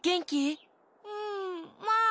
うんまあ。